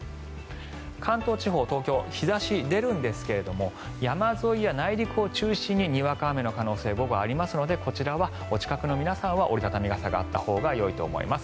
関東地方東京、日差し出るんですけども山沿いや内陸を中心ににわか雨の可能性が午後、ありますのでこちらはお近くの皆さんは折り畳み傘があったほうがよいと思います。